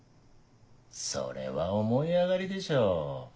それは思い上がりでしょ。